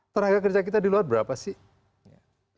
tenaga kerja kita di luar berapa sih